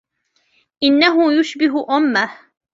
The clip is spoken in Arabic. إنه يشبه أمه.